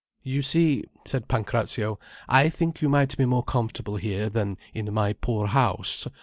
"You see," said Pancrazio, "I think you might be more comfortable here, than in my poor house.